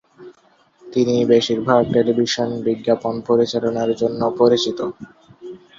তিনি বেশিরভাগ টেলিভিশন বিজ্ঞাপন পরিচালনার জন্য পরিচিত।